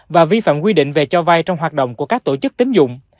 và vi phạm quy định về cho vai trong hoạt động của các tổ chức tín dụng